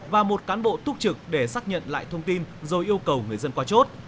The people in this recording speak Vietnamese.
và một cán bộ túc trực để xác nhận lại thông tin rồi yêu cầu người dân qua chốt